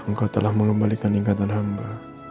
engkau telah mengembalikan ingatan hamba